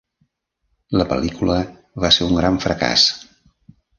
La pel·lícula va ser un gran fracàs.